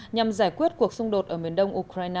nhằm giải quyết cuộc xung đột ở miền đông